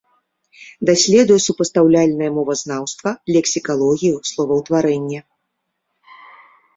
Даследуе супастаўляльнае мовазнаўства, лексікалогію, словаўтварэнне.